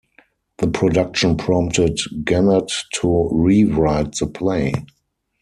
The production prompted Genet to re-write the play.